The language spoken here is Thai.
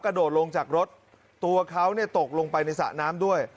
กระโดดลงจากรถตัวเขาตกลงไปในสระน้ำด้วย